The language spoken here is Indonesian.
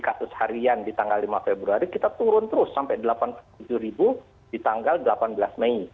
kasus harian di tanggal lima februari kita turun terus sampai delapan puluh tujuh ribu di tanggal delapan belas mei